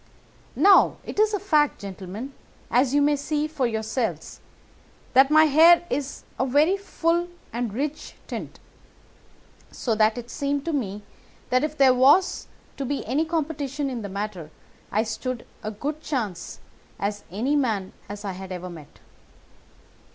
"Now, it is a fact, gentlemen, as you may see for yourselves, that my hair is of a very full and rich tint, so that it seemed to me that if there was to be any competition in the matter I stood as good a chance as any man that I had ever met.